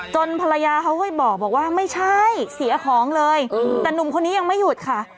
ภรรยาเขาก็บอกว่าไม่ใช่เสียของเลยแต่หนุ่มคนนี้ยังไม่หยุดค่ะ